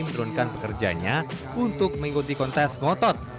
menurunkan pekerjanya untuk mengikuti kontes ngotot